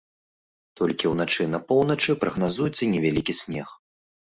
Толькі ўначы на поўначы прагназуецца невялікі снег.